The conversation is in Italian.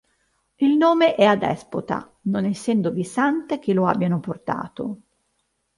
Il nome è adespota, non essendovi sante che lo abbiano portato.